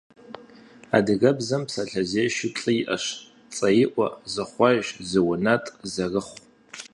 Адыгэбзэм псалъэзешэу плӏы иӏэщ: цӏэиӏуэ, зыхъуэж, зыунэтӏ, зэрыхъу.